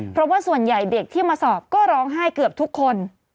เพราะว่าส่วนใหญ่เด็กที่มาสอบก็ร้องไห้เกือบทุกคน